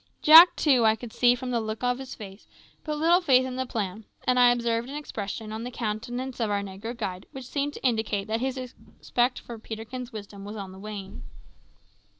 Jack, too, I could see from the look of his face, put little faith in the plan; and I observed an expression on the countenance of our negro guide which seemed to indicate that his respect for Peterkin's wisdom was on the wane.